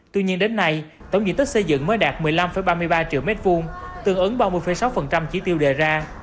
tuy nhiên đến nay tổng diện tích xây dựng mới đạt một mươi năm ba mươi ba triệu m hai tương ứng ba mươi sáu chỉ tiêu đề ra